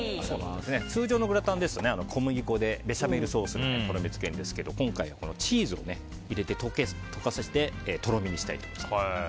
通常のグラタンですと小麦粉でベシャメルソースでとろみをつけるんですけど今回はチーズを入れて溶かしてとろみにしたいと思います。